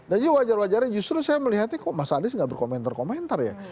dan jadi wajar wajarnya justru saya melihatnya kok mas anies gak berkomentar komentar ya